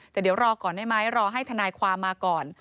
แต่เดี๋ยวรอก่อนได้ไหมรอให้ทนายความมาก่อน